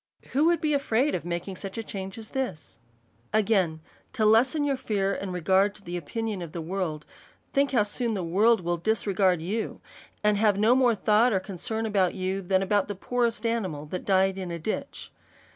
Who would be afraid of making such a change as this? Again, To lesson your fear and regard to the opi nion of the world, think how soon the world will dis regard you, and have no more thought or concern about you, than about the poorest animal that died in a ditch.